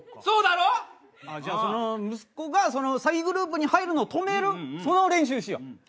そうだろ！？じゃあその息子が詐欺グループに入るのを止めるその練習しよう。